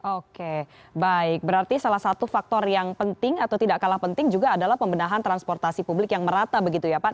oke baik berarti salah satu faktor yang penting atau tidak kalah penting juga adalah pembenahan transportasi publik yang merata begitu ya pak